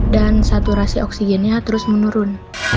dan saturasi oksigennya terus menurun